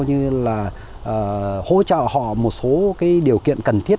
như là hỗ trợ họ một số cái điều kiện cần thiết